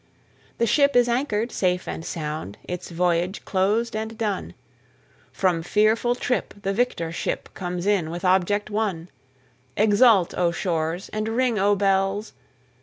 The ship is anchored safe and sound, its voyage closed and done, From fearful trip the victor ship comes in with object won; Exult O shores, and ring O bells!